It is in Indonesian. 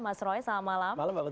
mas roy selamat malam